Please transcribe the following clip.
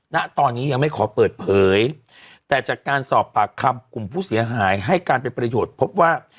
ณตอนนี้ยังไม่ขอเปิดเผยแต่จากการสอบปากคำกลุ่มผู้เสียหายให้การเป็นประโยชน์พบว่า